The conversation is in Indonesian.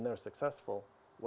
apakah itu menurut anda